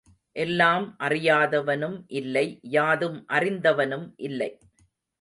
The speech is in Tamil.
எல்லாம் அறியாதவனும் இல்லை யாதும் அறிந்தவனும் இல்லை.